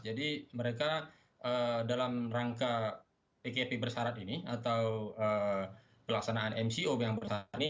jadi mereka dalam rangka pkp bersyarat ini atau pelaksanaan mco yang bersyarat ini